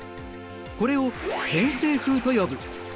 これを偏西風と呼ぶ。